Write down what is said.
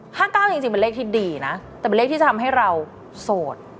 ๕๙จริงเป็นเลขที่ดีนะแต่เป็นเลขที่จะทำให้เราโสด